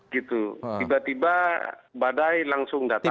tiba tiba badai langsung datang